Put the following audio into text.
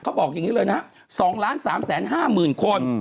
เขาบอกอย่างนี้เลยนะครับ๒๓๕๐๐๐คน